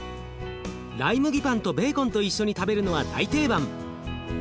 ライ麦パンとベーコンと一緒に食べるのは大定番。